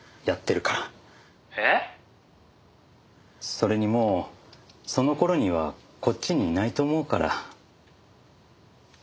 それにもうその頃にはこっちにいないと思うから。